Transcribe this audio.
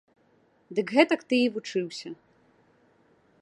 Дык гэтак ты і вучыўся.